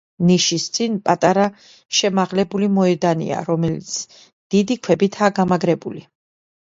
ნიშის წინ პატარა შემაღლებული მოედანია, რომელიც დიდი ქვებითაა გამაგრებული.